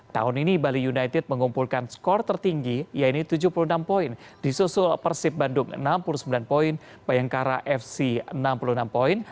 tahun ini bali united mengumpulkan skor tertinggi yaitu tujuh puluh enam poin disusul persib bandung enam puluh sembilan poin bayangkara fc enam puluh enam poin